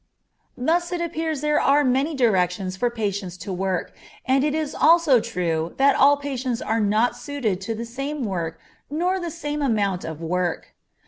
Thus it appears there are many directions for patients to work, and it is also true that all patients are not suited to do the same work nor the same amount of work.